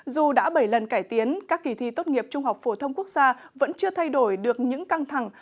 dù đã bảy lần cải tiến các kỳ thi tốt nghiệp trung học phổ thông quốc gia vẫn chưa thay đổi được những căng thẳng